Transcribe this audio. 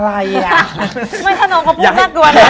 ไม่ขนมเขาพูดน่ากลัวนะ